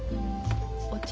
お茶？